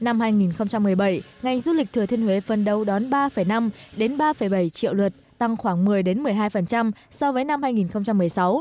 năm hai nghìn một mươi bảy ngành du lịch thừa thiên huế phân đấu đón ba năm đến ba bảy triệu lượt tăng khoảng một mươi một mươi hai so với năm hai nghìn một mươi sáu